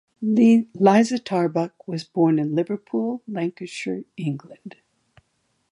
Liza Tarbuck was born in Liverpool, Lancashire, England.